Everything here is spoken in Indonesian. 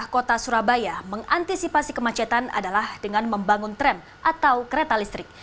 kota surabaya mengantisipasi kemacetan adalah dengan membangun tram atau kereta listrik